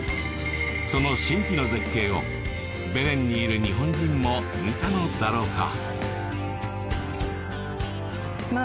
その神秘の絶景をベレンにいる日本人も見たのだろうか？